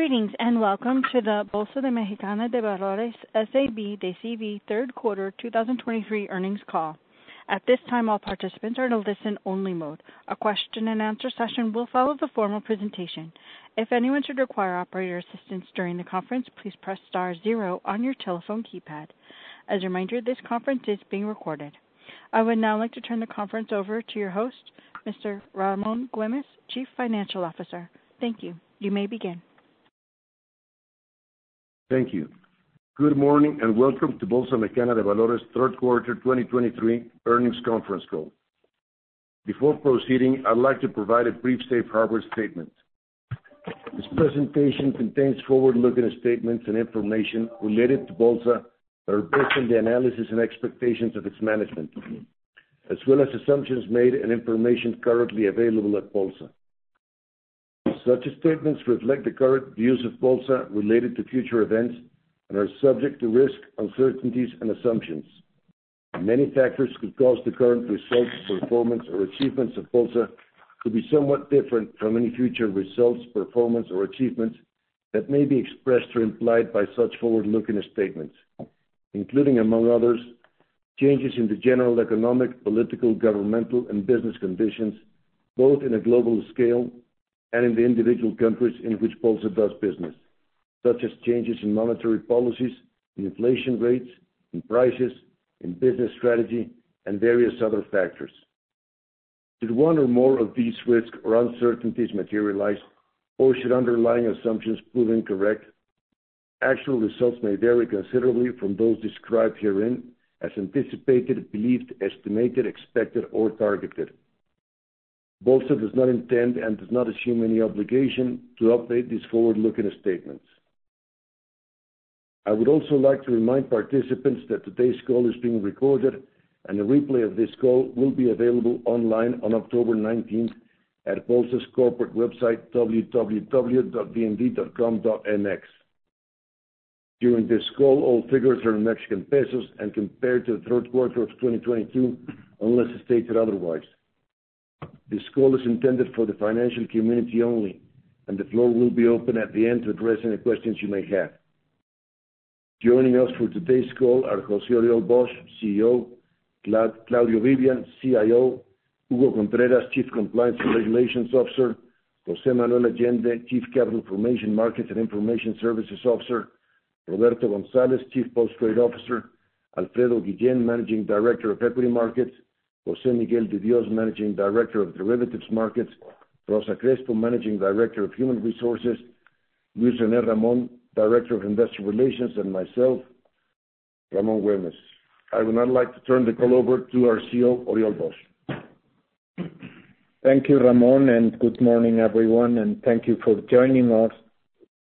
Greetings, and welcome to the Bolsa Mexicana de Valores, S.A.B. de C.V. third quarter 2023 earnings call. At this time, all participants are in a listen-only mode. A question and answer session will follow the formal presentation. If anyone should require operator assistance during the conference, please Press Star zero on your telephone keypad. As a reminder, this conference is being recorded. I would now like to turn the conference over to your host, Mr. Ramón Güémez, Chief Financial Officer. Thank you. You may begin. Thank you. Good morning, and welcome to Bolsa Mexicana de Valores Third Quarter 2023 Earnings Conference Call. Before proceeding, I'd like to provide a brief safe harbor statement. This presentation contains forward-looking statements and information related to Bolsa that are based on the analysis and expectations of its management, as well as assumptions made and information currently available at Bolsa. Such statements reflect the current views of Bolsa related to future events and are subject to risks, uncertainties and assumptions. Many factors could cause the current results, performance or achievements of Bolsa to be somewhat different from any future results, performance or achievements that may be expressed or implied by such forward-looking statements, including, among others, changes in the general economic, political, governmental, and business conditions, both in a global scale and in the individual countries in which Bolsa does business. Such as changes in monetary policies, in inflation rates, in prices, in business strategy, and various other factors. Should one or more of these risks or uncertainties materialize, or should underlying assumptions prove incorrect, actual results may vary considerably from those described herein as anticipated, believed, estimated, expected, or targeted. Bolsa does not intend and does not assume any obligation to update these forward-looking statements. I would also like to remind participants that today's call is being recorded, and a replay of this call will be available online on October nineteenth, at Bolsa's corporate website, www.bmd.com.mx. During this call, all figures are in Mexican pesos and compared to the third quarter of 2022, unless stated otherwise. This call is intended for the financial community only, and the floor will be open at the end to address any questions you may have. Joining us for today's call are José-Oriol Bosch, CEO; Claudio Vivian, CIO; Hugo Contreras, Chief Compliance and Regulations Officer; José Manuel Allende, Chief Capital Formation, Markets, and Information Services Officer; Roberto González, Chief Post Trade Officer; Alfredo Guillén, Managing Director of Equity Markets; José Miguel de Dios, Managing Director of Derivatives Markets; Rosa Crespo, Managing Director of Human Resources; Luis René Ramón, Director of Investor Relations; and myself, Ramón Güémez. I would now like to turn the call over to our CEO, Oriol Bosch. Thank you, Ramón, and good morning, everyone, and thank you for joining us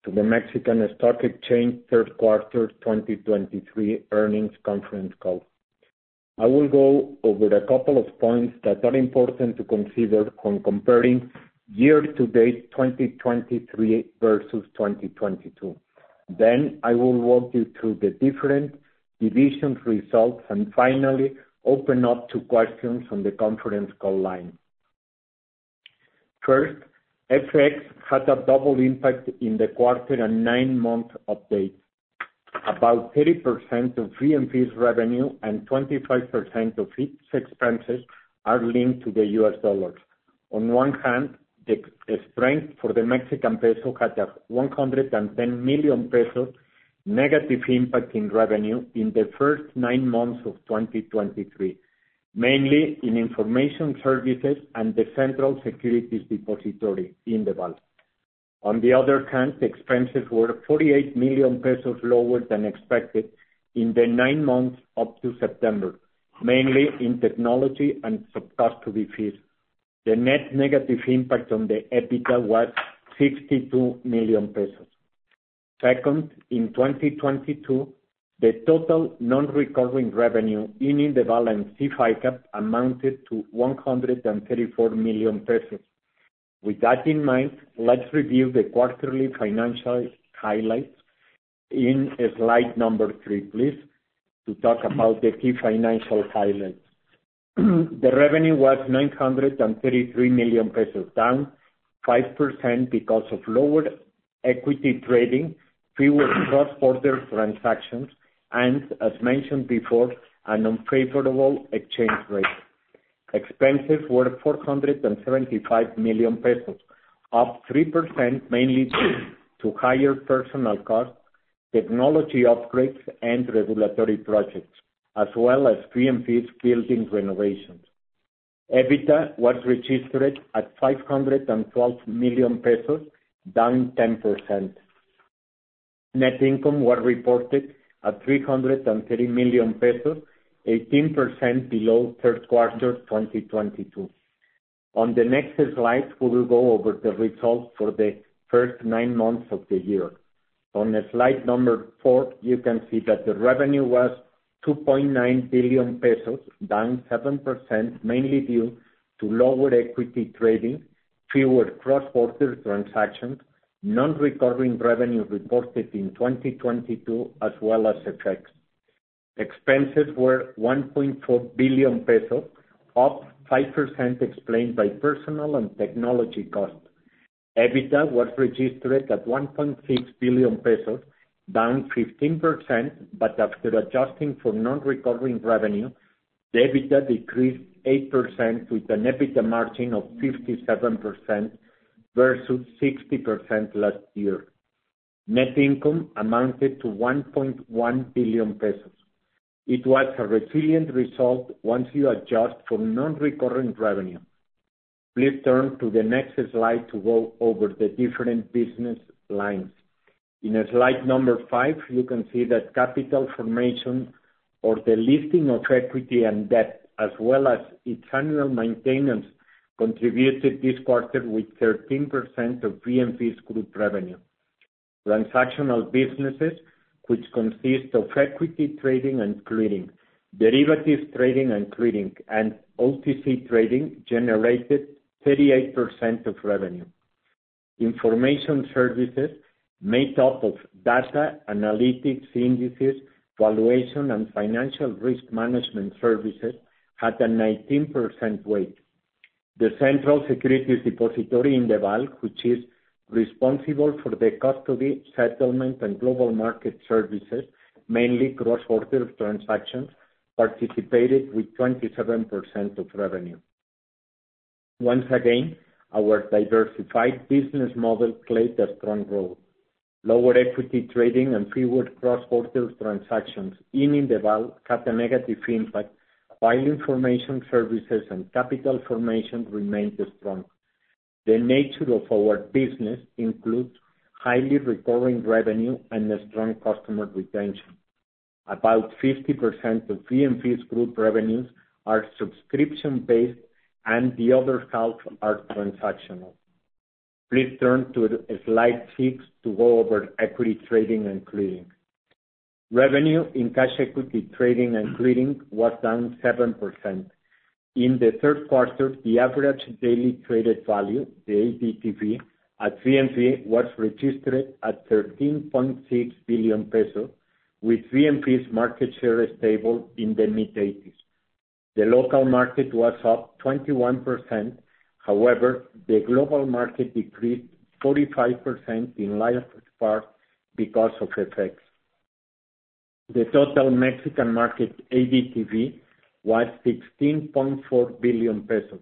to the Mexican Stock Exchange third quarter 2023 earnings conference call. I will go over a couple of points that are important to consider when comparing year-to-date 2023 versus 2022. Then, I will walk you through the different divisions results, and finally, open up to questions on the conference call line. First, FX had a double impact in the quarter and nine-month update. About 30% of fee and fees revenue and 25% of fees expenses are linked to the U.S. dollar. On one hand, the strength for the Mexican peso had a 110 million pesos negative impact in revenue in the first nine months of 2023, mainly in information services and the central securities depository Indeval. On the other hand, the expenses were 48 million pesos lower than expected in the nine months up to September, mainly in technology and sub-cost fees. The net negative impact on the EBITDA was 62 million pesos. Second, in 2022, the total non-recurring revenue in the balance CIFICA amounted to 134 million pesos. With that in mind, let's review the quarterly financial highlights in slide number three, please, to talk about the key financial highlights. The revenue was 933 million pesos, down 5% because of lower equity trading, fewer cross-border transactions, and, as mentioned before, an unfavorable exchange rate. Expenses were 475 million pesos, up 3%, mainly due to higher personal costs, technology upgrades, and regulatory projects, as well as fee and fees building renovations. EBITDA was registered at 512 million pesos, down 10%. Net income was reported at 330 million pesos, 18% below third quarter 2022. On the next slide, we will go over the results for the first nine months of the year. On slide number four, you can see that the revenue was 2.9 billion pesos, down 7%, mainly due to lower equity trading, fewer cross-border transactions, non-recurring revenue reported in 2022, as well as effects.... Expenses were 1.4 billion pesos, up 5% explained by personal and technology costs. EBITDA was registered at 1.6 billion pesos, down 15%, but after adjusting for non-recurring revenue, the EBITDA decreased 8% with an EBITDA margin of 57% versus 60% last year. Net income amounted to 1.1 billion pesos. It was a resilient result once you adjust for non-recurrent revenue. Please turn to the next slide to go over the different business lines. In slide number five, you can see that capital formation or the listing of equity and debt, as well as its annual maintenance, contributed this quarter with 13% of BMV's group revenue. Transactional businesses, which consist of equity trading and clearing, derivatives trading and clearing, and OTC trading, generated 38% of revenue. Information services, made up of data, analytics, indices, valuation, and financial risk management services, had a 19% weight. The Central Securities Depository in Indeval, which is responsible for the custody, settlement, and global market services, mainly cross-border transactions, participated with 27% of revenue. Once again, our diversified business model played a strong role. Lower equity trading and fewer cross-border transactions in Indeval had a negative impact, while information services and capital formation remained strong. The nature of our business includes highly recurring revenue and a strong customer retention. About 50% of BMV's group revenues are subscription-based, and the other half are transactional. Please turn to slide 6 to go over equity trading and clearing. Revenue in cash equity trading and clearing was down 7%. In the third quarter, the average daily traded value, the ADTV, at BMV was registered at 13.6 billion pesos, with BMV's market share stable in the mid-80s. The local market was up 21%. However, the global market decreased 45% in large part because of FX. The total Mexican market, ADTV, was 16.4 billion pesos.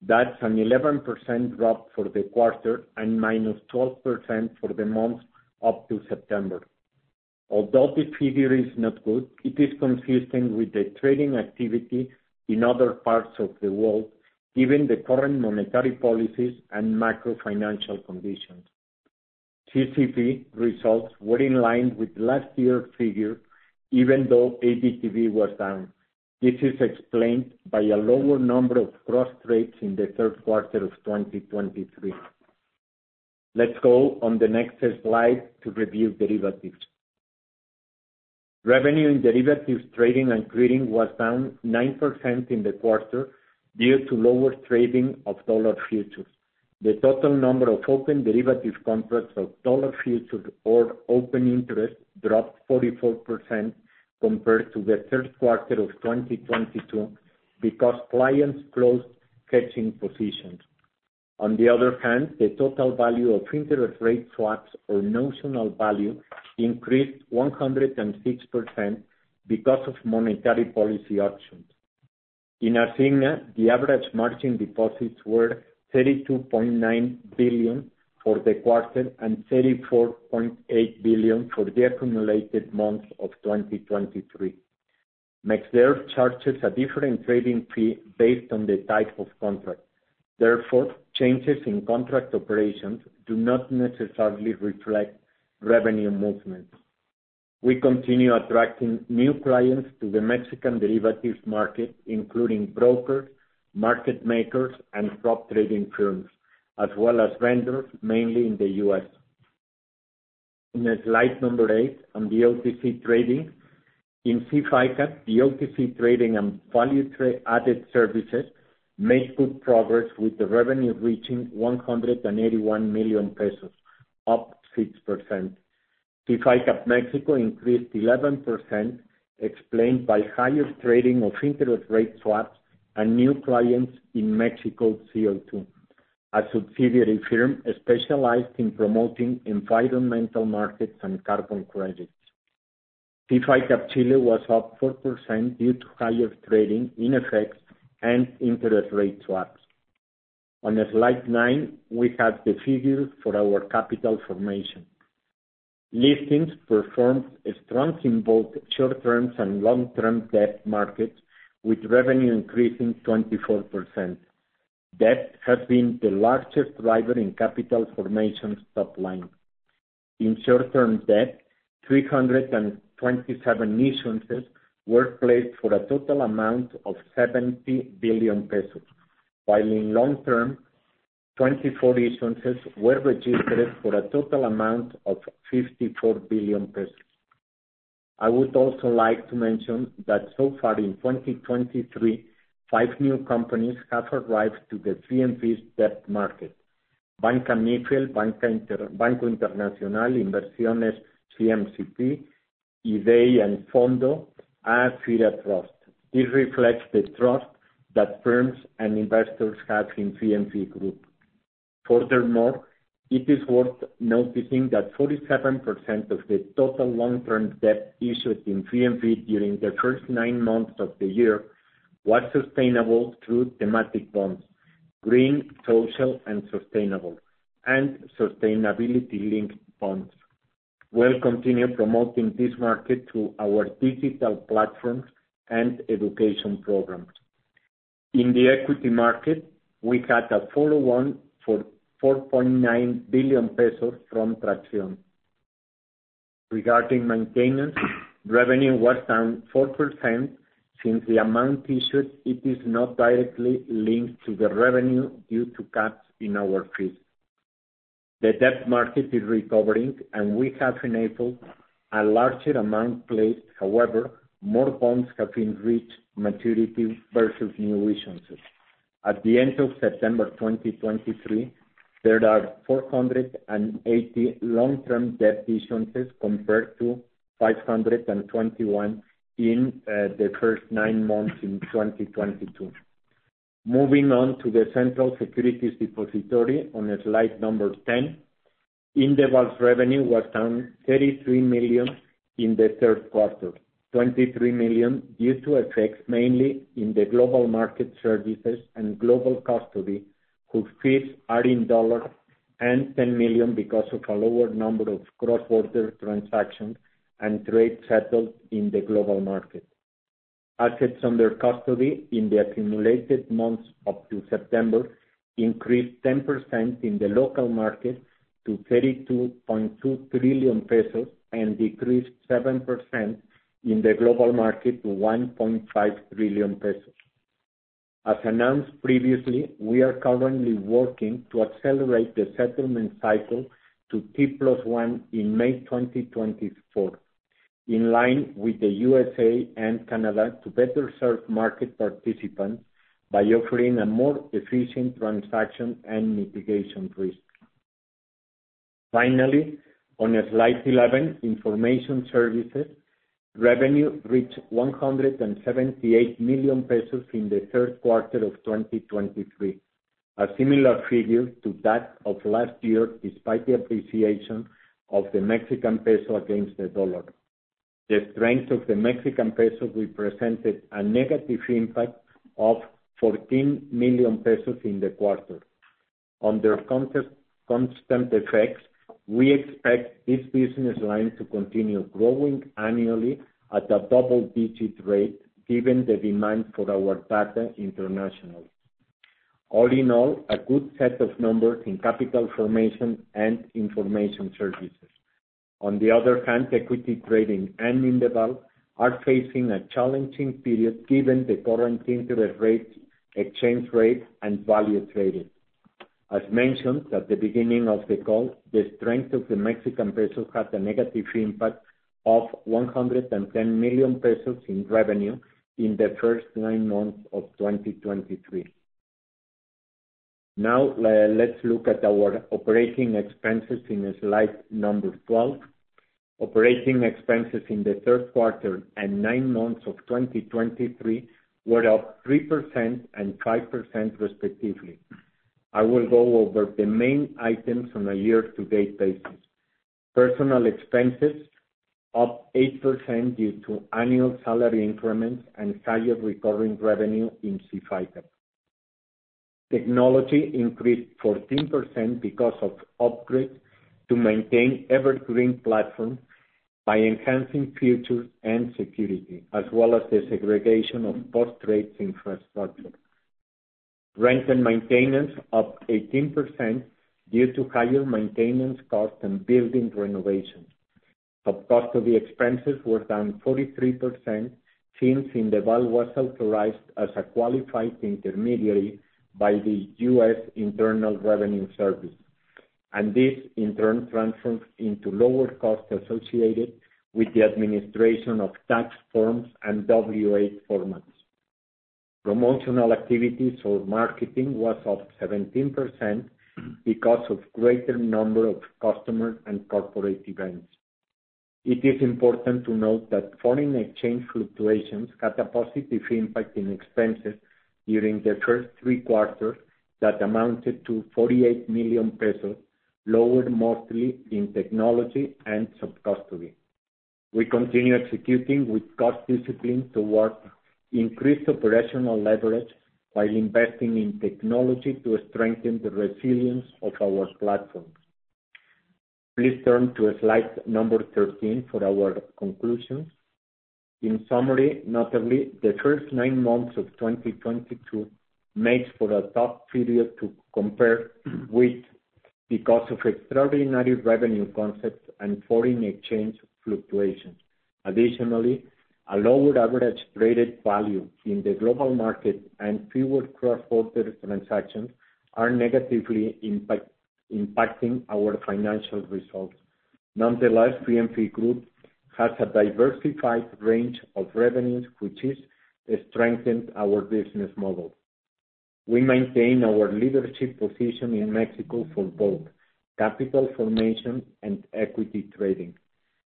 That's an 11% drop for the quarter and minus 12% for the months up to September. Although the figure is not good, it is consistent with the trading activity in other parts of the world, given the current monetary policies and macro financial conditions. CCP results were in line with last year's figure, even though ADTV was down. This is explained by a lower number of cross trades in the third quarter of 2023. Let's go on the next slide to review derivatives. Revenue in derivatives trading and clearing was down 9% in the quarter due to lower trading of dollar futures. The total number of open derivatives contracts of dollar futures or open interest dropped 44% compared to the third quarter of 2022 because clients closed catching positions. On the other hand, the total value of interest rate swaps or notional value increased 106% because of monetary policy options. In Asigna, the average margin deposits were 32.9 billion for the quarter and 34.8 billion for the accumulated months of 2023. MexDer charges a different trading fee based on the type of contract. Therefore, changes in contract operations do not necessarily reflect revenue movements. We continue attracting new clients to the Mexican derivatives market, including brokers, market makers, and prop trading firms, as well as vendors, mainly in the U.S. In slide number 8, on the OTC trading, in SIF ICAP, the OTC trading and value-added services made good progress, with the revenue reaching 181 million pesos, up 6%. SIF ICAP Mexico increased 11%, explained by higher trading of interest rate swaps and new clients in MéxiCO2, a subsidiary firm specialized in promoting environmental markets and carbon credits. SIF ICAP Chile was up 4% due to higher trading in FX and interest rate swaps. On slide 9, we have the figures for our capital formation. Listings performed strong in both short-term and long-term debt markets, with revenue increasing 24%. Debt has been the largest driver in capital formation's top line. In short-term debt, 327 issuances were placed for a total amount of 70 billion pesos, while in long-term, 24 issuances were registered for a total amount of 54 billion pesos. I would also like to mention that so far in 2023, five new companies have arrived to the CNBV's debt market: Banca Mifel, Banco Internacional, Inversiones CMCP, and Fira Trust. This reflects the trust that firms and investors have in Grupo BMV. Furthermore, it is worth noticing that 47% of the total long-term debt issued in CMN during the first nine months of the year was sustainable through thematic bonds, green, social, and sustainable, and sustainability-linked bonds. We'll continue promoting this market to our digital platforms and education programs. In the equity market, we had a follow-on for 4.9 billion pesos from Traxión. Regarding maintenance, revenue was down 4%. Since the amount issued, it is not directly linked to the revenue due to cuts in our fees. The debt market is recovering, and we have enabled a larger amount placed. However, more bonds have been reached maturity versus new issuances. At the end of September 2023, there are 480 long-term debt issuances compared to 521 in the first nine months in 2022. Moving on to the Central Securities Depository on slide 10. Indeval's revenue was down 33 million in the third quarter, 23 million due to effects, mainly in the global market services and global custody, whose fees are in dollars, and 10 million because of a lower number of cross-border transactions and trade settled in the global market. Assets under custody in the accumulated months up to September increased 10% in the local market to 32.2 trillion pesos and decreased 7% in the global market to 1.5 trillion pesos. As announced previously, we are currently working to accelerate the settlement cycle to T+1 in May 2024, in line with the USA and Canada, to better serve market participants by offering a more efficient transaction and mitigation risk. Finally, on slide 11, Information Services, revenue reached 178 million pesos in the third quarter of 2023, a similar figure to that of last year, despite the appreciation of the Mexican peso against the dollar. The strength of the Mexican peso represented a negative impact of 14 million pesos in the quarter. Under constant effects, we expect this business line to continue growing annually at a double-digit rate, given the demand for our data internationally. All in all, a good set of numbers in capital formation and information services. On the other hand, equity trading and Indeval are facing a challenging period given the current interest rates, exchange rate, and value trading. As mentioned at the beginning of the call, the strength of the Mexican peso had a negative impact of 110 million pesos in revenue in the first nine months of 2023. Now, let's look at our operating expenses in slide number 12. Operating expenses in the third quarter and nine months of 2023 were up 3% and 5% respectively. I will go over the main items on a year-to-date basis. Personnel expenses up 8% due to annual salary increments and higher recurring revenue in CIFITEC. Technology increased 14% because of upgrades to maintain evergreen platform by enhancing features and security, as well as the segregation of post-trade infrastructure. Rent and maintenance up 18% due to higher maintenance costs and building renovations. Sub-custody expenses were down 43% since Indeval was authorized as a qualified intermediary by the U.S. Internal Revenue Service, and this in turn transfers into lower costs associated with the administration of tax forms and W-8 forms. Promotional activities or marketing was up 17% because of greater number of customer and corporate events. It is important to note that foreign exchange fluctuations had a positive impact in expenses during the first three quarters that amounted to 48 million pesos, lower mostly in technology and sub-custody. We continue executing with cost discipline towards increased operational leverage while investing in technology to strengthen the resilience of our platforms. Please turn to slide number 13 for our conclusions. In summary, notably, the first nine months of 2022 makes for a tough period to compare with because of extraordinary revenue concepts and foreign exchange fluctuations. Additionally, a lower average traded value in the global market and fewer cross-border transactions are negatively impacting our financial results.... Nonetheless, BMV Group has a diversified range of revenues, which is, has strengthened our business model. We maintain our leadership position in Mexico for both capital formation and equity trading.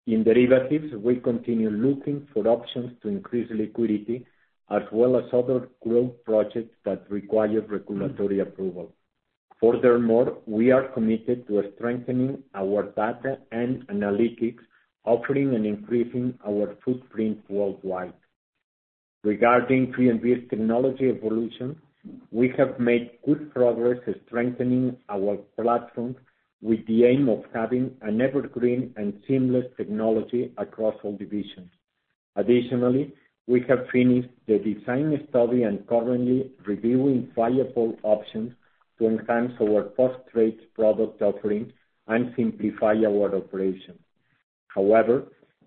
In derivatives, we continue looking for options to increase liquidity, as well as other growth projects that require regulatory approval. Furthermore, we are committed to strengthening our data and analytics, offering and increasing our footprint worldwide. Regarding BMV's technology evolution, we have made good progress in strengthening our platform with the aim of having an evergreen and seamless technology across all divisions. Additionally, we have finished the design study and currently reviewing viable options to enhance our post-trade product offering and simplify our operation. However,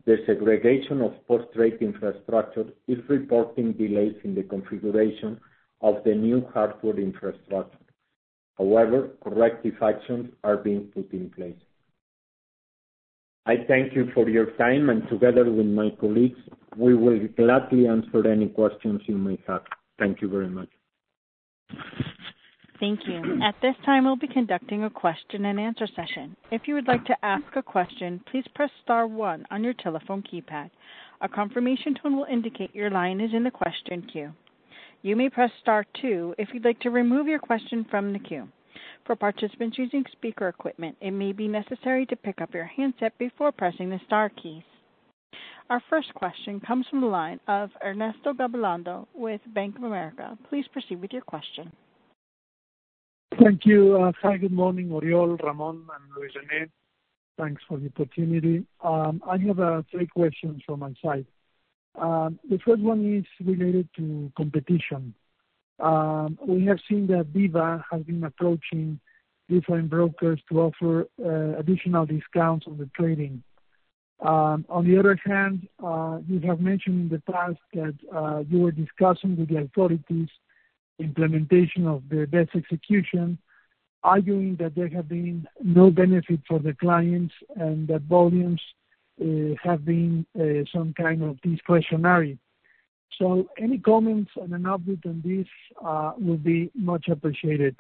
the segregation of post-trade infrastructure is reporting delays in the configuration of the new hardware infrastructure. However, corrective actions are being put in place. I thank you for your time, and together with my colleagues, we will gladly answer any questions you may have. Thank you very much. Thank you. At this time, we'll be conducting a question-and-answer session. If you would like to ask a question, please Press Star one on your telephone keypad. A confirmation tone will indicate your line is in the question queue. You may Press Star two if you'd like to remove your question from the queue. For participants using speaker equipment, it may be necessary to pick up your handset before pressing the star keys. Our first question comes from the line of Ernesto Gabilondo with Bank of America. Please proceed with your question. Thank you. Hi, good morning, Oriol, Ramón, and Luis René. Thanks for the opportunity. I have three questions from my side. The first one is related to competition. We have seen that BIVA has been approaching different brokers to offer additional discounts on the trading. On the other hand, you have mentioned in the past that you were discussing with the authorities implementation of the best execution, arguing that there have been no benefit for the clients and that volumes have been some kind of discretionary. So any comments and an update on this will be much appreciated.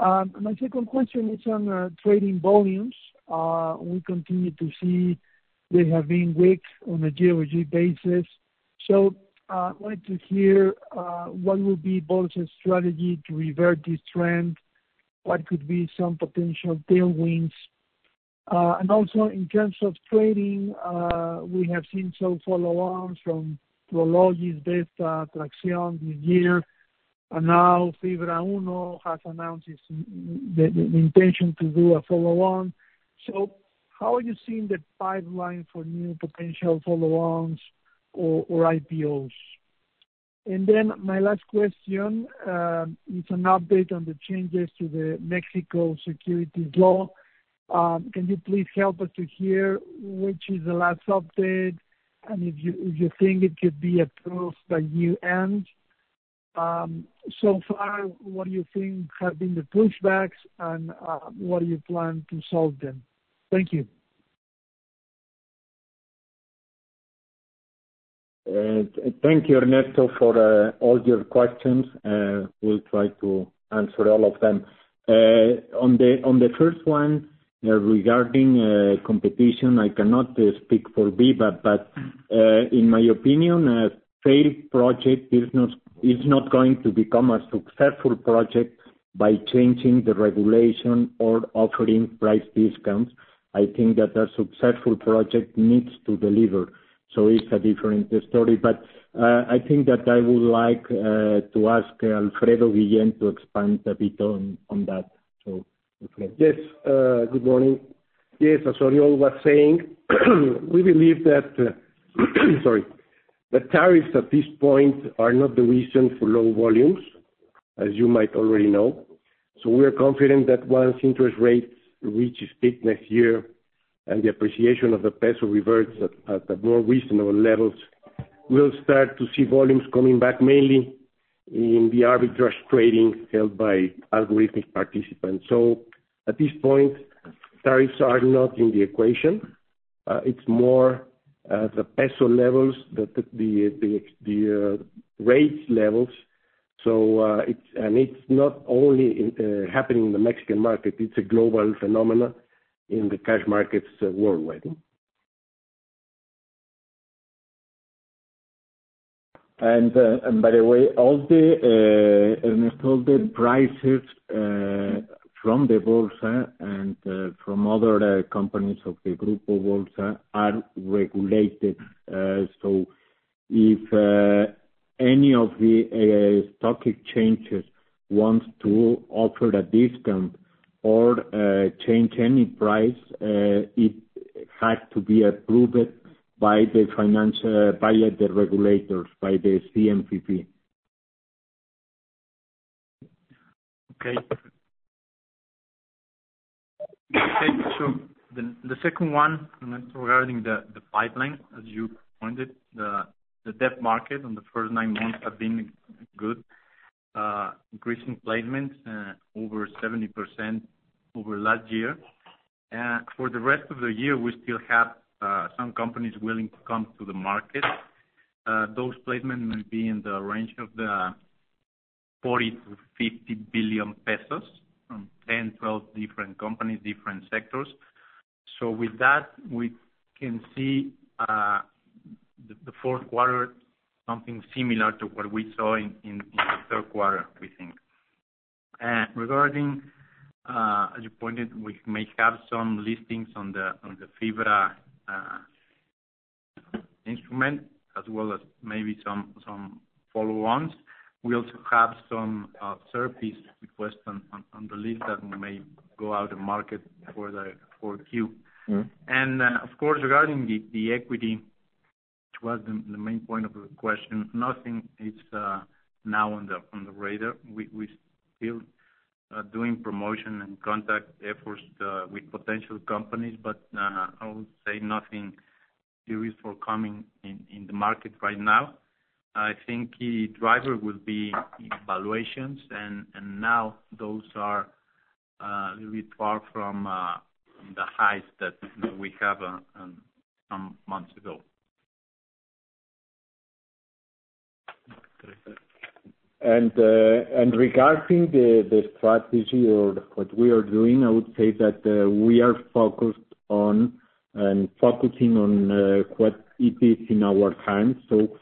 My second question is on trading volumes. We continue to see they have been weak on a GOG basis, so wanted to hear what will be Bolsa's strategy to revert this trend? What could be some potential tailwinds? And also in terms of trading, we have seen some follow-ons from Prologis, Delta, Traxión this year, and now Fibra Uno has announced its the intention to do a follow-on. So how are you seeing the pipeline for new potential follow-ons or IPOs? And then my last question is an update on the changes to the Mexican Securities Law. Can you please help us to hear which is the last update? And if you think it could be approved by year-end, so far, what do you think have been the pushbacks, and what do you plan to solve them? Thank you. Thank you, Ernesto, for all your questions. We'll try to answer all of them. On the first one, regarding competition, I cannot speak for Biva, but in my opinion, a failed project is not going to become a successful project by changing the regulation or offering price discounts. I think that a successful project needs to deliver, so it's a different story. But I think that I would like to ask Alfredo Guillén to expand a bit on that. So Alfredo? Yes, good morning. Yes, as Oriol was saying, we believe that, sorry, the tariffs at this point are not the reason for low volumes, as you might already know. So we are confident that once interest rates reach its peak next year, and the appreciation of the peso reverts at the more reasonable levels, we'll start to see volumes coming back, mainly in the arbitrage trading held by algorithmic participants. So at this point, tariffs are not in the equation. It's more the peso levels that the rate levels. So it's and it's not only happening in the Mexican market, it's a global phenomenon in the cash markets worldwide. And by the way, all the, Ernesto, the prices from the Bolsa and from other companies of the Grupo Bolsa are regulated. So if any of the stock exchanges wants to offer a discount or change any price, it has to be approved by the financial- by the regulators, by the CNBV. Okay. So the second one, Ernesto, regarding the pipeline, as you pointed, the debt market in the first nine months have been good.... increasing placements over 70% over last year. And for the rest of the year, we still have some companies willing to come to the market. Those placement will be in the range of 40 billion-50 billion pesos, from 10-12 different companies, different sectors. So with that, we can see the fourth quarter something similar to what we saw in the third quarter, we think. And regarding, as you pointed, we may have some listings on the FIBRA instrument, as well as maybe some follow-ons. We also have some third piece requests on the list that may go out to market for the fourth Q. Mm-hmm. And, of course, regarding the equity, which was the main point of the question, nothing is now on the radar. We still doing promotion and contact efforts with potential companies, but I would say nothing serious for coming in the market right now. I think the driver will be evaluations, and now those are a little bit far from the highs that we have some months ago. And regarding the strategy or what we are doing, I would say that we are focused on and focusing on what it is in our hands. So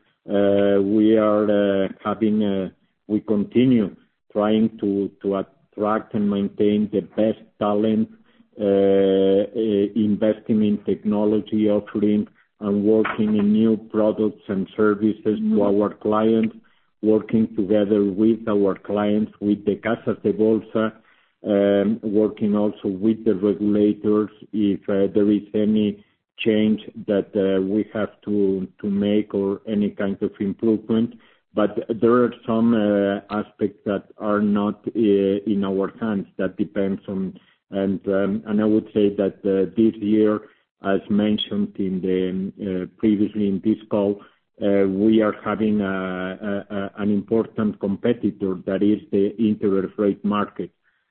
we continue trying to attract and maintain the best talent, investing in technology offering, and working in new products and services. Mm-hmm. - to our clients, working together with our clients, with the Casas de Bolsa, working also with the regulators, if there is any change that we have to make or any kind of improvement. But there are some aspects that are not in our hands, that depends on... And I would say that this year, as mentioned previously in this call, we are having an important competitor that is the interest-rate market.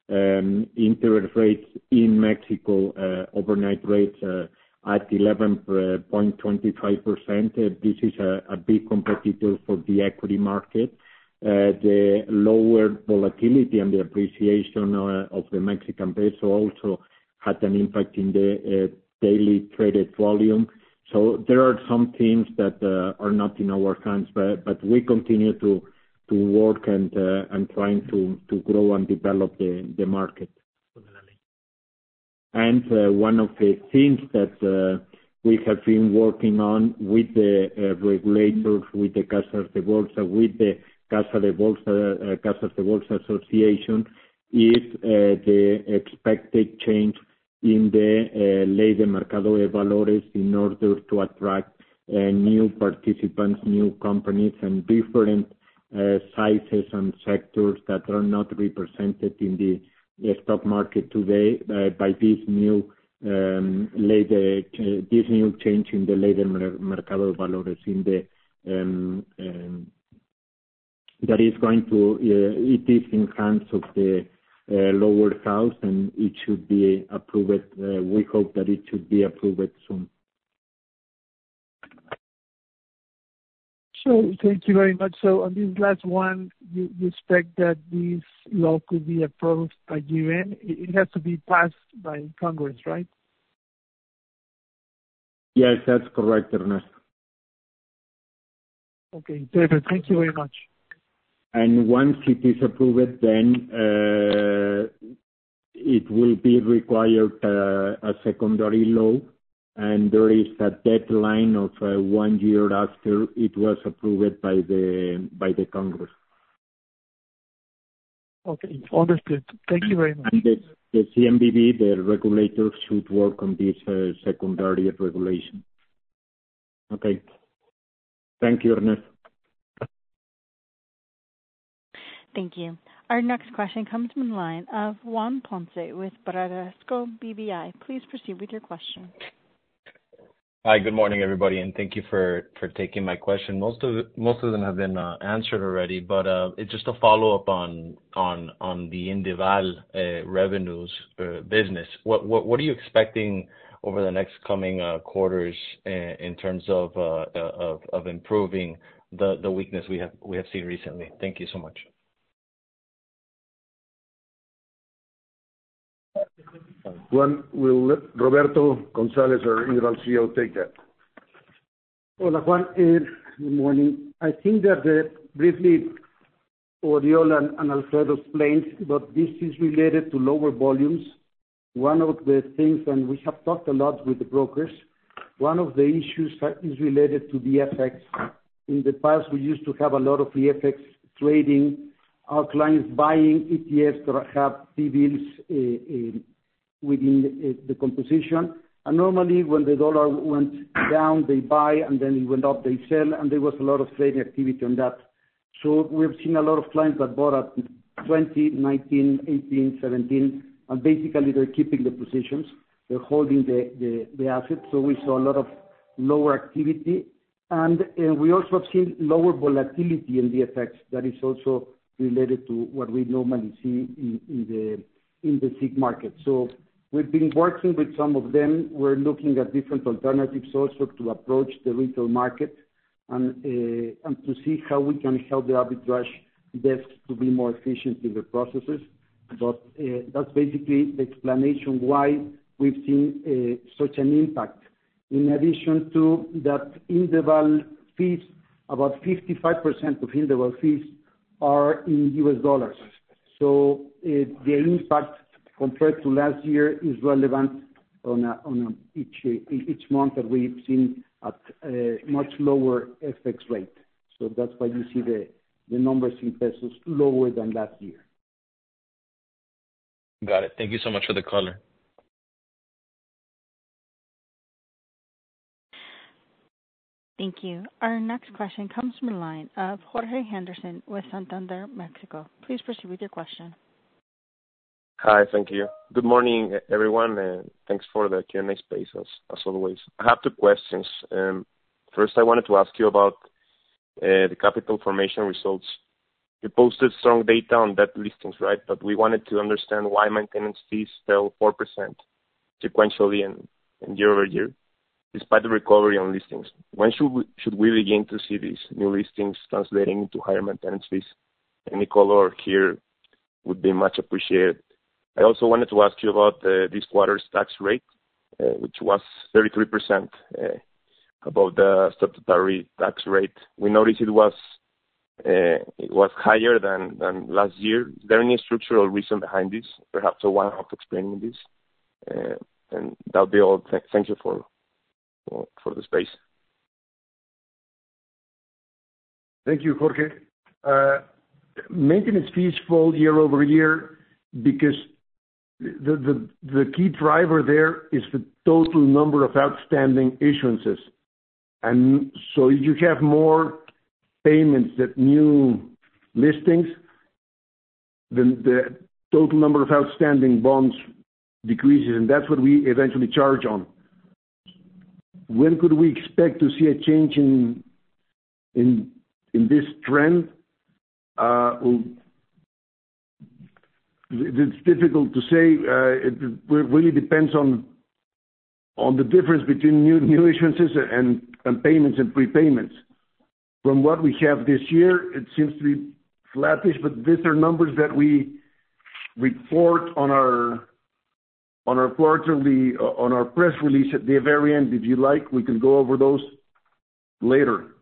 Interest rates in Mexico, overnight rates at 11.25%, this is a big competitor for the equity market. The lower volatility and the appreciation of the Mexican peso also had an impact in the daily traded volume. There are some things that are not in our hands, but we continue to work and trying to grow and develop the market. One of the things that we have been working on with the regulators, with the Casas de Bolsa, with the Casa de Bolsa, Casas de Bolsa Association, is the expected change in the Ley del Mercado de Valores, in order to attract new participants, new companies, and different sizes and sectors that are not represented in the stock market today, by this new ley de this new change in the Ley del Mercado de Valores in the... That is going to. It is in the hands of the lower house, and it should be approved. We hope that it should be approved soon. Thank you very much. On this last one, you expect that this law could be approved by year-end? It has to be passed by Congress, right? Yes, that's correct, Ernesto. Okay, David, thank you very much. And once it is approved, then it will be required, a secondary law, and there is a deadline of one year after it was approved by the Congress. Okay, understood. Thank you very much. The CNBV, the regulators, should work on this secondary regulation. Okay. Thank you, Ernest. Thank you. Our next question comes from the line of Juan Ponce with Banesco BBI. Please proceed with your question. Hi, good morning, everybody, and thank you for taking my question. Most of it, most of them have been answered already, but it's just a follow-up on the Indeval revenues business. What are you expecting over the next coming quarters in terms of improving the weakness we have seen recently? Thank you so much. Juan, we'll let Roberto González, our Indeval CEO, take that. Hola, Juan, good morning. I think that, briefly, Oriol and, and Alfredo explained, but this is related to lower volumes. One of the things, and we have talked a lot with the brokers, one of the issues that is related to the FX, in the past, we used to have a lot of FX trading, our clients buying ETFs that have PBIs within the composition. And normally, when the dollar went down, they buy, and then it went up, they sell, and there was a lot of trading activity on that. So we have seen a lot of clients that bought at 20, 19, 18, 17, and basically they're keeping the positions, they're holding the assets, so we saw a lot of-... lower activity, and we also have seen lower volatility in the FX that is also related to what we normally see in the SIF market. So we've been working with some of them. We're looking at different alternatives also to approach the retail market and to see how we can help the arbitrage desks to be more efficient in the processes. But that's basically the explanation why we've seen such an impact. In addition to that Indeval fees, about 55% of Indeval fees are in U.S. dollars. So the impact compared to last year is relevant in each month that we've seen at a much lower FX rate. So that's why you see the numbers in pesos lower than last year. Got it. Thank you so much for the color. Thank you. Our next question comes from the line of Jorge Henderson with Santander Mexico. Please proceed with your question. Hi. Thank you. Good morning, everyone, and thanks for the Q&A space, as always. I have two questions. First, I wanted to ask you about the capital formation results. You posted strong data on debt listings, right? But we wanted to understand why maintenance fees fell 4% sequentially and year over year, despite the recovery on listings. When should we begin to see these new listings translating into higher maintenance fees? Any color here would be much appreciated. I also wanted to ask you about this quarter's tax rate, which was 33%, about the statutory tax rate. We noticed it was higher than last year. Is there any structural reason behind this? Perhaps a one-off explaining this. And that would be all. Thank you for the space. Thank you, Jorge. Maintenance fees fall year-over-year because the key driver there is the total number of outstanding issuances. And so you have more payments than new listings, then the total number of outstanding bonds decreases, and that's what we eventually charge on. When could we expect to see a change in this trend? It's difficult to say. It really depends on the difference between new issuances and payments and prepayments. From what we have this year, it seems to be flattish, but these are numbers that we report on our quarterly, on our press release at the very end. If you like, we can go over those later.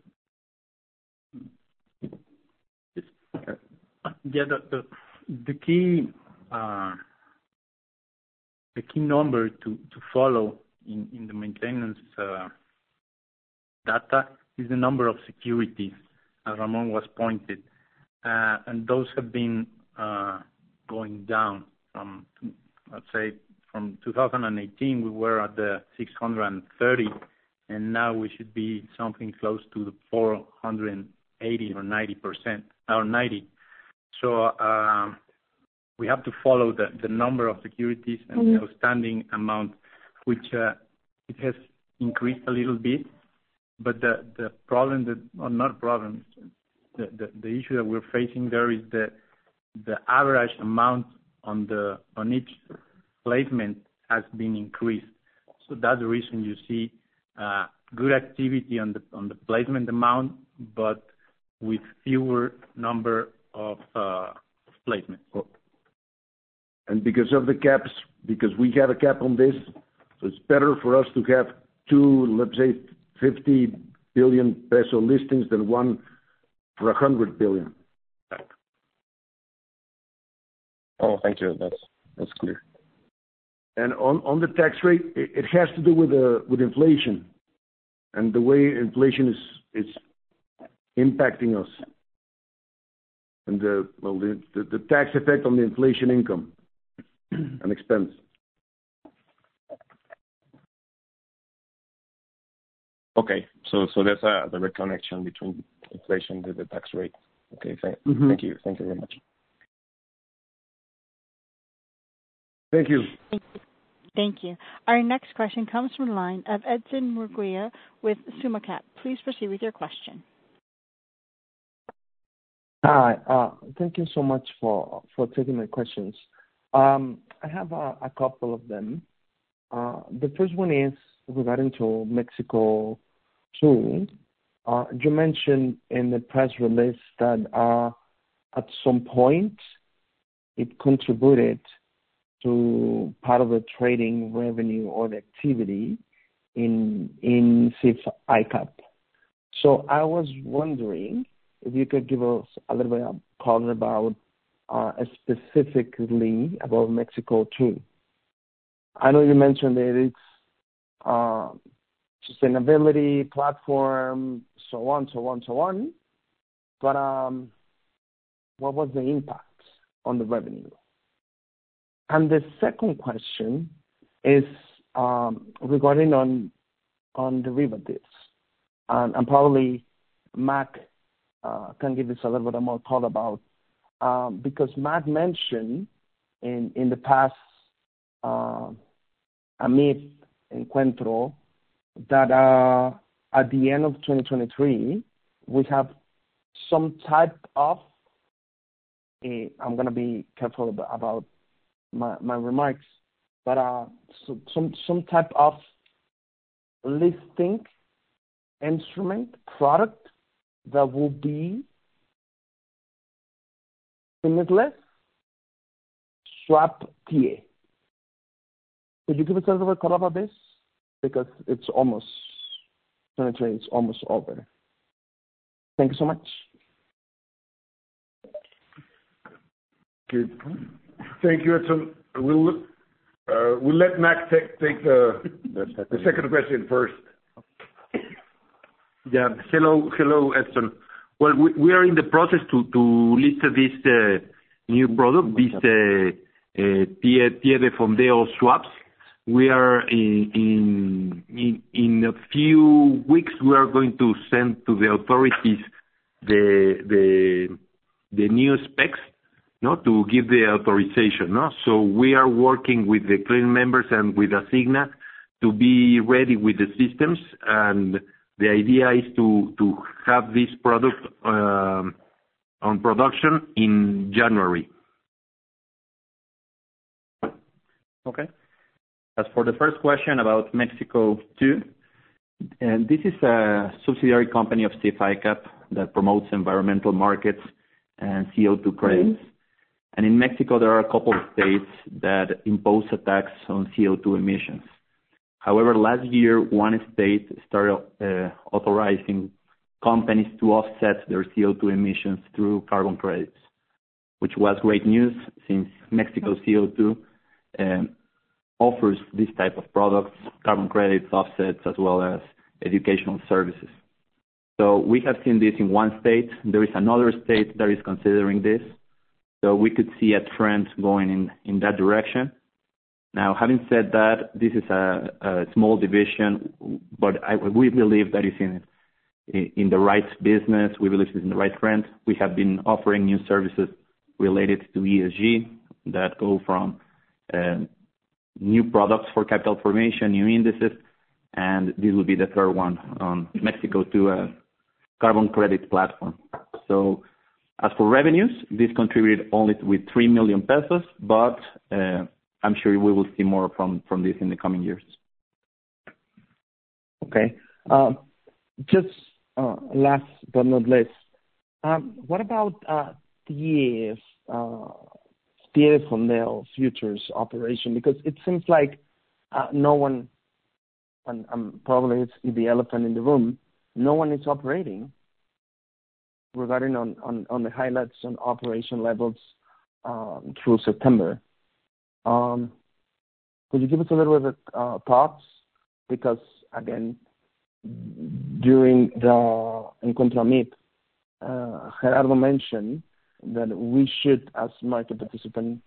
Yes. Yeah, the key number to follow in the maintenance data is the number of securities, as Ramón has pointed. And those have been going down from, let's say, 2018, we were at 630, and now we should be something close to 480 or 90%, or 90. So, we have to follow the number of securities- Mm-hmm. And the outstanding amount, which it has increased a little bit, but the problem that... Or not problem, the issue that we're facing there is the average amount on each placement has been increased. So that's the reason you see good activity on the placement amount, but with fewer number of placements. Because of the caps, because we have a cap on this, so it's better for us to have 2, let's say, 50 billion peso listings than one for 100 billion. Oh, thank you. That's, that's clear. On the tax rate, it has to do with inflation and the way inflation is impacting us. Well, the tax effect on the inflation income and expense. Okay. So, so there's a direct connection between inflation and the tax rate. Okay, thank- Mm-hmm. Thank you. Thank you very much. Thank you. Thank you. Our next question comes from the line of Edson Murguia with Summa Cap. Please proceed with your question. Hi. Thank you so much for taking my questions. I have a couple of them. The first one is regarding to MéxiCO2. You mentioned in the press release that at some point, it contributed to part of the trading revenue or the activity in SIF ICAP. So I was wondering if you could give us a little bit of color about specifically about MéxiCO2. I know you mentioned that it's sustainability platform, so on, so on, so on. But what was the impact on the revenue? And the second question is regarding on the rebate.... Probably Mac can give us a little bit more thought about, because Matt mentioned in the past, annual encuentro, that at the end of 2023, we have some type of, I'm gonna be careful about my remarks, but some type of listing instrument product that will be limitless swap TA. Could you give us a little bit color about this? Because 2023 is almost over. Thank you so much. Thank you, Edson. We will, we'll let Mac take the second question first. Yeah. Hello, hello, Edson. Well, we are in the process to list this new product, this TIIE Fondeo swaps. We are in a few weeks, we are going to send to the authorities the new specs, you know, to give the authorization, no? So we are working with the clearing members and with Asigna to be ready with the systems, and the idea is to have this product on production in January. Okay. As for the first question about MéxiCO2, and this is a subsidiary company of SIF ICAP that promotes environmental markets and CO2 credits. In Mexico, there are a couple of states that impose a tax on CO2 emissions. However, last year, one state started authorizing companies to offset their CO2 emissions through carbon credits, which was great news since MéxiCO2 offers this type of products, carbon credits, offsets, as well as educational services. So we have seen this in one state. There is another state that is considering this, so we could see a trend going in that direction. Now, having said that, this is a small division, but we believe that it's in the right business. We believe it's in the right trend. We have been offering new services related to ESG, that go from new products for capital formation, new indices, and this will be the third one, MéxiCO2 a carbon credit platform. So as for revenues, this contributed only with 3 million pesos, but, I'm sure we will see more from this in the coming years. Okay. Just, last but not least, what about TIIE Fondeo futures operation? Because it seems like no one, and probably it's the elephant in the room, no one is operating regarding on, on, on the highlights and operation levels through September. Could you give us a little bit thoughts? Because again, during the Encuentro meet, Gerardo mentioned that we should, as market participant,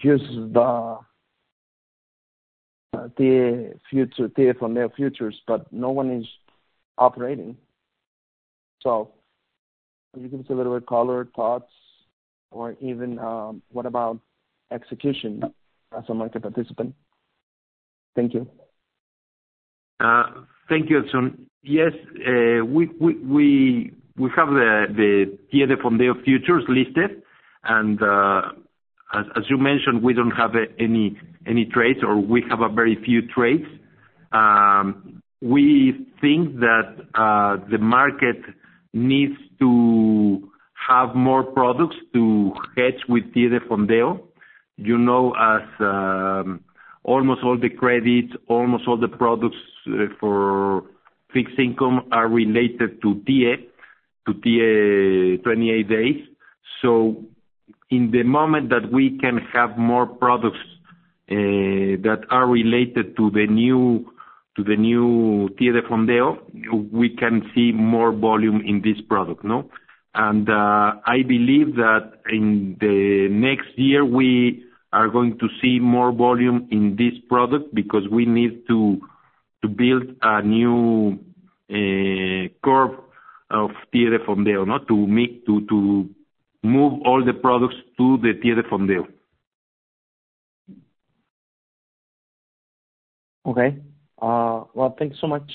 use the the future TIIE Fondeo futures, but no one is operating. So could you give us a little bit color, thoughts, or even what about execution as a market participant? Thank you. Thank you, Edson. Yes, we have the TIIE Fondeo futures listed, and, as you mentioned, we don't have any trades or we have a very few trades. We think that the market needs to have more products to hedge with TIIE Fondeo. You know, as almost all the credits, almost all the products for fixed income are related to TIIE, to TIIE 28 days. So in the moment that we can have more products that are related to the new TIIE Fondeo, we can see more volume in this product, no? I believe that in the next year, we are going to see more volume in this product, because we need to build a new curve of TIIE Fondeo, no, to move all the products to the TIIE Fondeo. Okay. Well, thank you so much.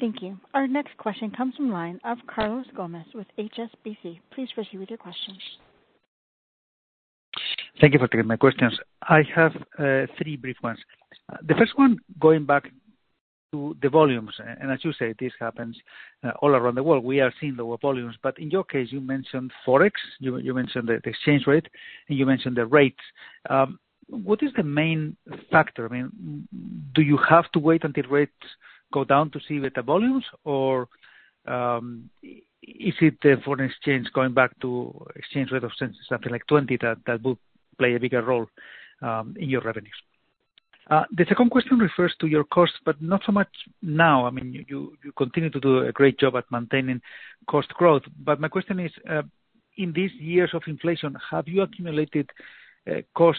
Thank you. Our next question comes from line of Carlos Gomez with HSBC. Please proceed with your question. Thank you for taking my questions. I have 3 brief ones. The first one, going back to the volumes, and as you say, this happens all around the world. We are seeing lower volumes, but in your case, you mentioned FX, you mentioned the exchange rate, and you mentioned the rates. What is the main factor? I mean, do you have to wait until rates go down to see the volumes? Or, is it the foreign exchange going back to exchange rate of something like 20, that would play a bigger role in your revenues? The second question refers to your cost, but not so much now. I mean, you continue to do a great job at maintaining cost growth. My question is, in these years of inflation, have you accumulated, costs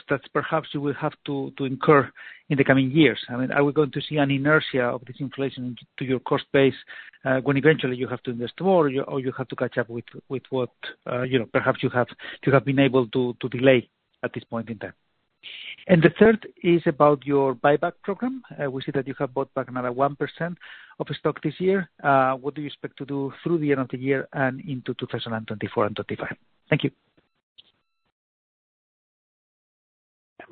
that perhaps you will have to, to incur in the coming years? I mean, are we going to see an inertia of this inflation to your cost base, when eventually you have to invest more or you, or you have to catch up with, with what, you know, perhaps you have, you have been able to, to delay at this point in time? The third is about your buyback program. We see that you have bought back another 1% of the stock this year. What do you expect to do through the end of the year and into 2024 and 2025? Thank you.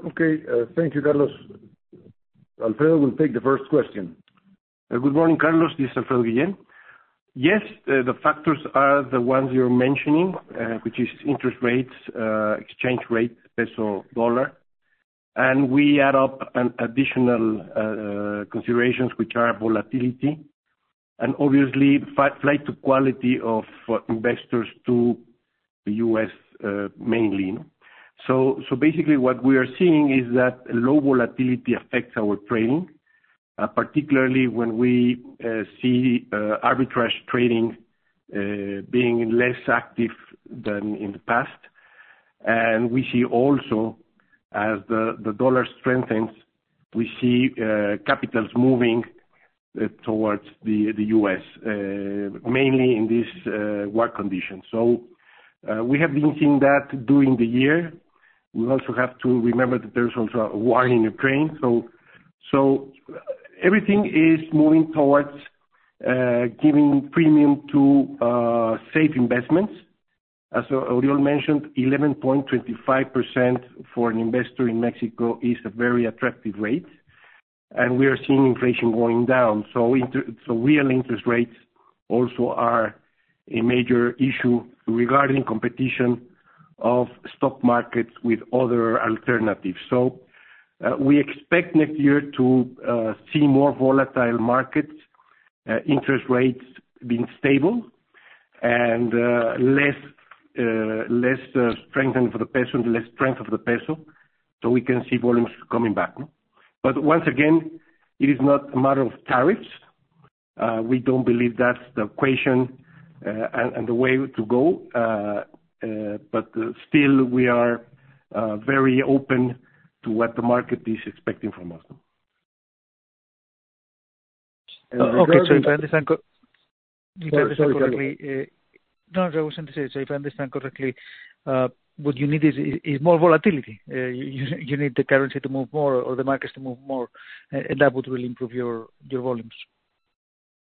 Okay, thank you, Carlos. Alfredo will take the first question. Good morning, Carlos, this is Alfredo Guillén. Yes, the factors are the ones you're mentioning, which is interest rates, exchange rate, peso/dollar, and we add up an additional considerations, which are volatility and obviously, flight to quality of investors to the U.S., mainly. So, basically what we are seeing is that low volatility affects our trading, particularly when we see arbitrage trading being less active than in the past. And we see also, as the dollar strengthens, we see capitals moving towards the U.S., mainly in this world conditions. So, we have been seeing that during the year. We also have to remember that there's also a war in Ukraine, so everything is moving towards giving premium to safe investments. As Oriol mentioned, 11.25% for an investor in Mexico is a very attractive rate, and we are seeing inflation going down. So real interest rates also are a major issue regarding competition of stock markets with other alternatives. So, we expect next year to see more volatile markets, interest rates being stable and less strengthening for the peso, less strength of the peso, so we can see volumes coming back. But once again, it is not a matter of tariffs. We don't believe that's the equation, and the way to go. But still, we are very open to what the market is expecting from us. Okay, so if I understand co- Sorry. No, I was going to say, so if I understand correctly, what you need is more volatility. You need the currency to move more or the markets to move more, and that would really improve your volumes.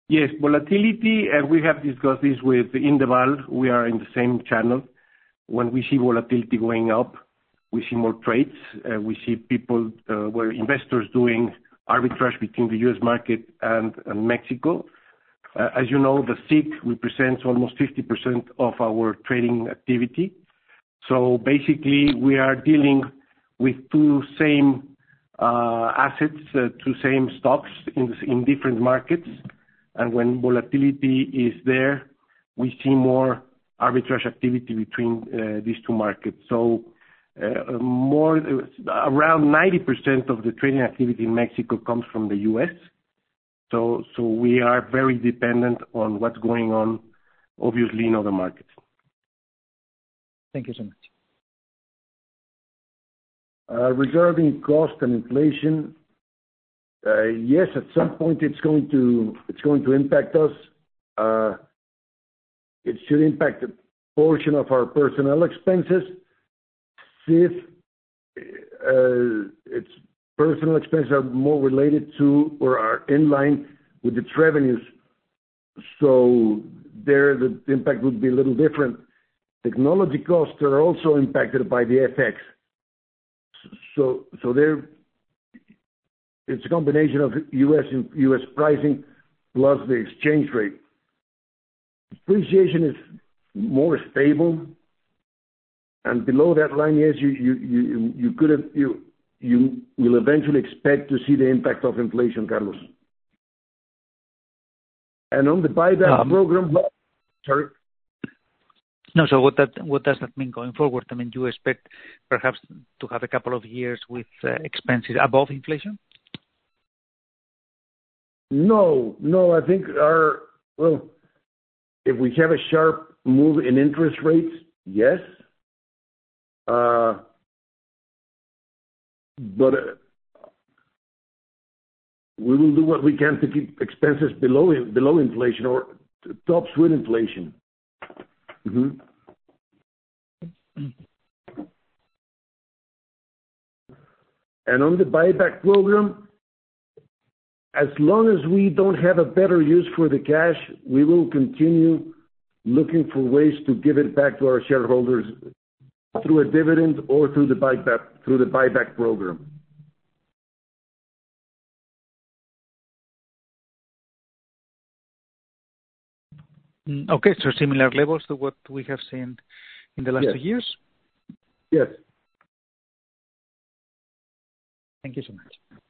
Yes, volatility, and we have discussed this with Indeval. We are in the same channel. When we see volatility going up, we see more trades, we see people, investors doing arbitrage between the U.S. market and Mexico. As you know, the SIC represents almost 50% of our trading activity. So basically, we are dealing with the same assets, the same stocks in different markets. And when volatility is there, we see more arbitrage activity between these two markets. So, more, around 90% of the trading activity in Mexico comes from the U.S., so we are very dependent on what's going on, obviously, in other markets. Thank you so much. Regarding cost and inflation, yes, at some point it's going to impact us. It should impact a portion of our personnel expenses. Since it's personnel expenses are more related to or are in line with the revenues, so there, the impact would be a little different. Technology costs are also impacted by the FX. So there, it's a combination of US and US pricing plus the exchange rate. Appreciation is more stable, and below that line, yes, you could have, you will eventually expect to see the impact of inflation, Carlos. And on the buyback program- Um- Sorry? No, so what does that mean going forward? I mean, do you expect perhaps to have a couple of years with expenses above inflation? No, no, I think our... Well, if we have a sharp move in interest rates, yes. But we will do what we can to keep expenses below inflation or tops with inflation. Mm-hmm. And on the buyback program, as long as we don't have a better use for the cash, we will continue looking for ways to give it back to our shareholders through a dividend or through the buyback, through the buyback program. Okay, similar levels to what we have seen in the last two years? Yes. Yes. Thank you so much. ...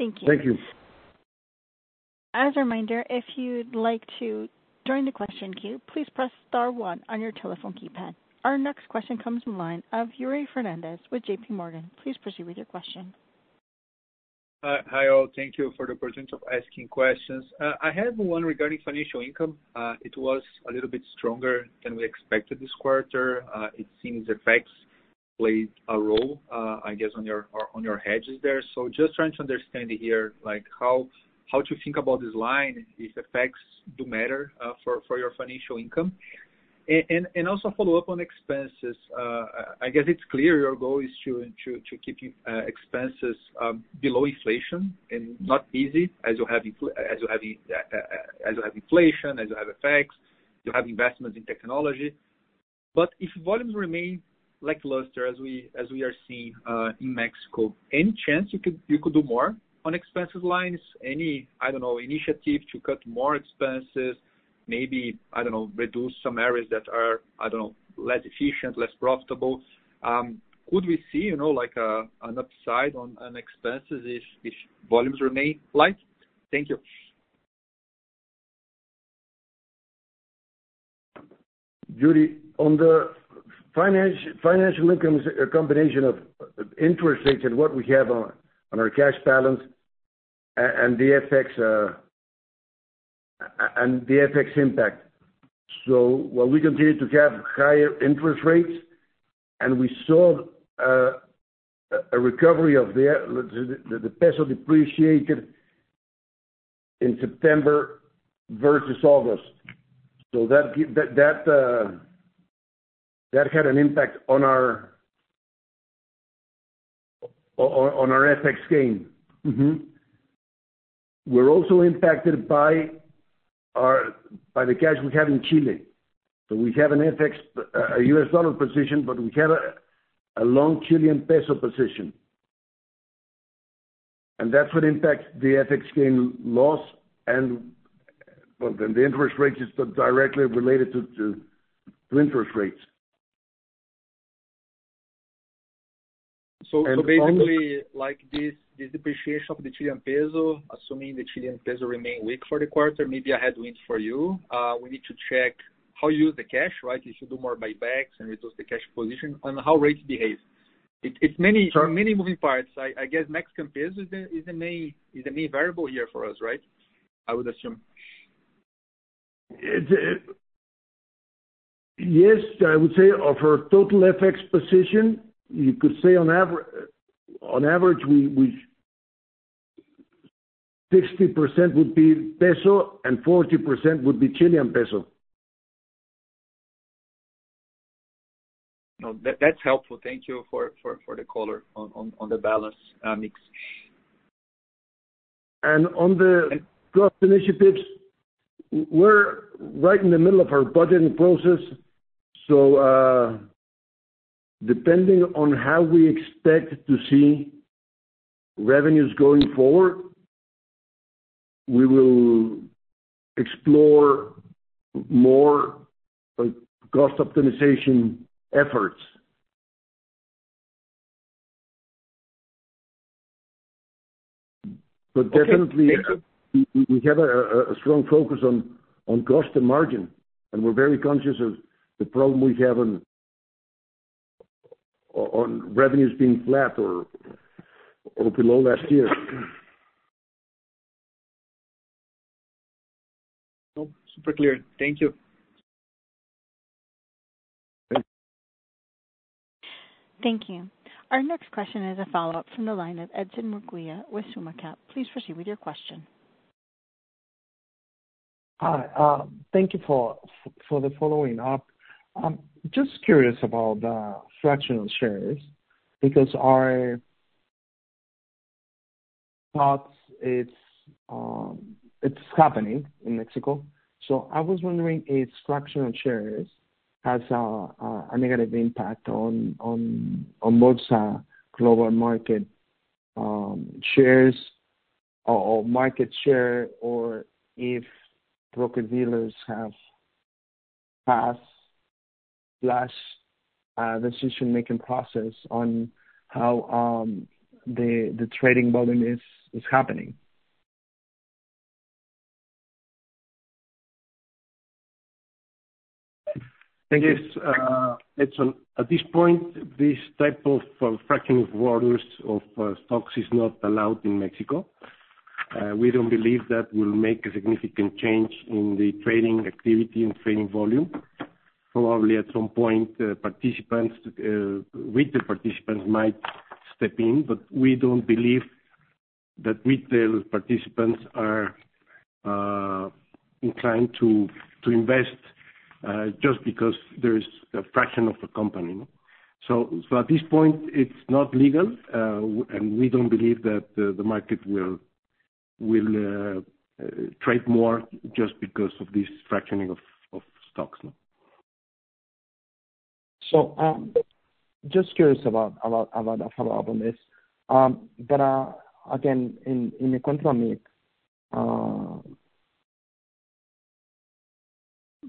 Thank you. Thank you. As a reminder, if you'd like to join the question queue, please Press Star one on your telephone keypad. Our next question comes from line of Yuri Fernandez with JP Morgan. Please proceed with your question. Hi, hi all. Thank you for the opportunity of asking questions. I have one regarding financial income. It was a little bit stronger than we expected this quarter. It seems the FX played a role, I guess, on your hedges there. So just trying to understand here, like, how to think about this line, if FX do matter, for your financial income? And also follow up on expenses. I guess it's clear your goal is to keep expenses below inflation, and not easy, as you have inflation, as you have FX, you have investments in technology. But if volumes remain lackluster as we are seeing in Mexico, any chance you could do more on expenses lines? Any, I don't know, initiative to cut more expenses, maybe, I don't know, reduce some areas that are, I don't know, less efficient, less profitable. Could we see, you know, like, an upside on expenses if, if volumes remain light? Thank you. Yuri, on the financial income, a combination of interest rates and what we have on our cash balance, and the effects impact. So while we continue to have higher interest rates, and we saw a recovery of the peso depreciated in September versus August, so that had an impact on our on our FX gain. Mm-hmm. We're also impacted by our by the cash we have in Chile. So we have an FX a U.S. dollar position, but we have a a long Chilean peso position. And that's what impacts the FX gain loss, and, well, then the interest rate is directly related to interest rates. So, basically- And- like, this depreciation of the Chilean peso, assuming the Chilean peso remain weak for the quarter, maybe a headwind for you. We need to check how you use the cash, right? You should do more buybacks and reduce the cash position on how rates behave. It, it's many- Sure. Many moving parts. I guess Mexican peso is the main variable here for us, right? I would assume. Yes, I would say of our total FX position, you could say on average, we 60% would be peso and 40% would be Chilean peso. No, that's helpful. Thank you for the color on the balance mix. On the cost initiatives, we're right in the middle of our budgeting process, so, depending on how we expect to see revenues going forward, we will explore more, like, cost optimization efforts. But definitely- Okay, thank you. We have a strong focus on cost and margin, and we're very conscious of the problem we have on revenues being flat or below last year. No, super clear. Thank you. Thank you. Thank you. Our next question is a follow-up from the line of Edson Murguia with Summa Cap. Please proceed with your question. Hi, thank you for following up. Just curious about the fractional shares, because our thoughts, it's happening in Mexico. So I was wondering if fractional shares has a negative impact on Bolsa global market shares or market share, or if broker-dealers have passed last decision-making process on how the trading volume is happening? Thank you. Yes, Edson, at this point, this type of fraction of orders of stocks is not allowed in Mexico. We don't believe that will make a significant change in the trading activity and trading volume. Probably at some point, participants, retail participants might step in, but we don't believe that retail participants are inclined to invest just because there is a fraction of the company, no? So at this point, it's not legal, and we don't believe that the market will trade more just because of this fractioning of stocks, no. So, just curious about how about this. But, again, in the country I'm in,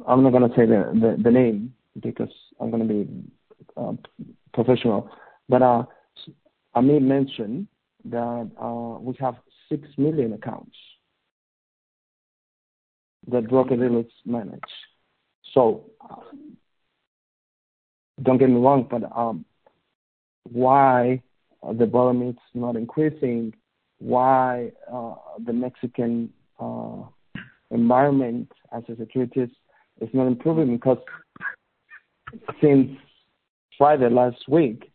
I'm not gonna say the name because I'm gonna be professional. But, I may mention that, we have 6 million accounts that broker dealers manage. So don't get me wrong, but, why the volume is not increasing? Why the Mexican environment as a securities is not improving? Because since Friday last week,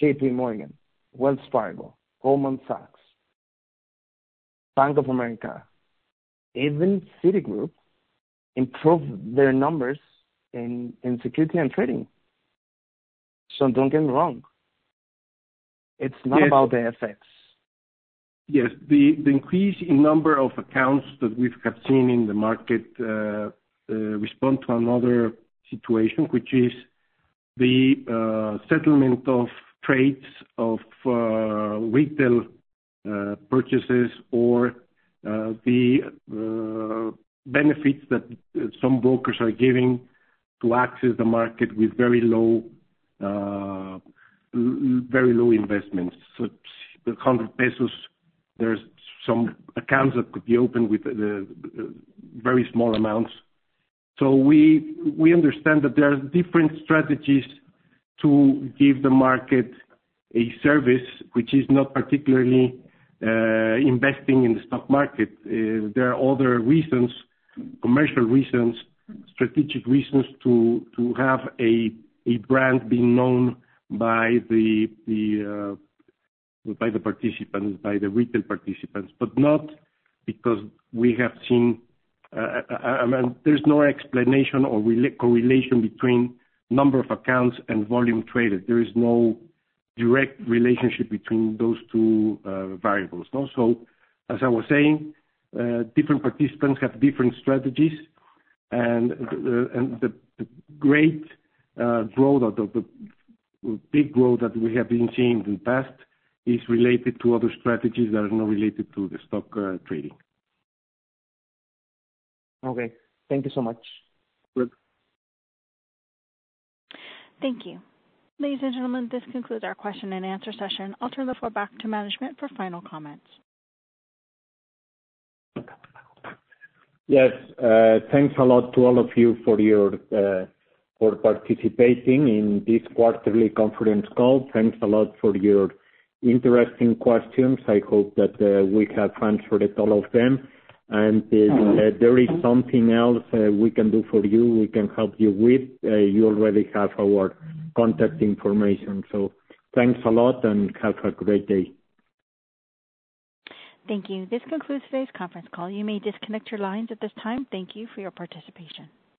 JP Morgan, Wells Fargo, Goldman Sachs, Bank of America, even Citigroup, improved their numbers in security and trading. So don't get me wrong, it's not about the effects. Yes. The increase in number of accounts that we have seen in the market responds to another situation, which is the settlement of trades of retail purchases or the benefits that some brokers are giving to access the market with very low investments. So the 100 pesos, there are some accounts that could be opened with the very small amounts. So we understand that there are different strategies to give the market a service which is not particularly investing in the stock market. There are other reasons, commercial reasons, strategic reasons to have a brand being known by the participants, by the retail participants. But not because we have seen, I mean, there's no explanation or correlation between number of accounts and volume traded. There is no direct relationship between those two variables. Also, as I was saying, different participants have different strategies, and the great growth or the big growth that we have been seeing in the past is related to other strategies that are not related to the stock trading. Okay, thank you so much. Good. Thank you. Ladies and gentlemen, this concludes our question and answer session. I'll turn the floor back to management for final comments. Yes. Thanks a lot to all of you for your, for participating in this quarterly conference call. Thanks a lot for your interesting questions. I hope that, we have answered all of them. And if there is something else, we can do for you, we can help you with, you already have our contact information. So thanks a lot, and have a great day. Thank you. This concludes today's Conference Call. You may disconnect your lines at this time. Thank you for your participation.